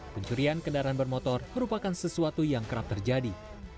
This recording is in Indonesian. pencurian kendaraan bermotor merupakan sesuatu yang kerap terjadi